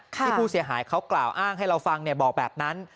ที่ผู้เสียหายเขากล่าวอ้างให้เราฟังบอกแบบนั้น